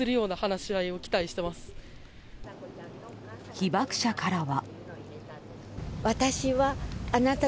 被爆者からは。